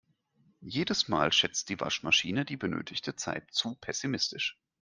Jedes Mal schätzt die Waschmaschine die benötigte Zeit zu pessimistisch.